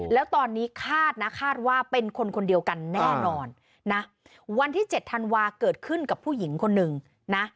แล้วตอนนี้คาดนะคาดว่าเป็นคนคนเดียวกันแน่นอนนะวันที่เจ็ดธันวาเกิดขึ้นกับผู้หญิงคนหนึ่งนะ